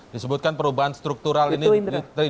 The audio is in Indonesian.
disebutkan perubahan struktural ini